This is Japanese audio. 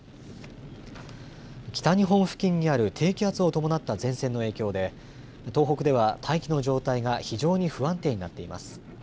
北日本付近にある低気圧を伴った前線の影響で東北では大気の状態が非常に不安定になっています。